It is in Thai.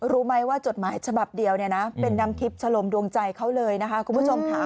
รู้ไหมว่าจดหมายฉบับเดียวเนี่ยนะเป็นน้ำทิพย์ชะลมดวงใจเขาเลยนะคะคุณผู้ชมค่ะ